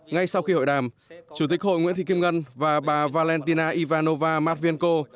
ngay sau khi hội đàm chủ tịch hội nguyễn thị kim ngân và bà valentina ivanova mát viên cô